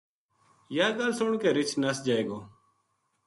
یاہ گل سن کے رچھ نس جائے گو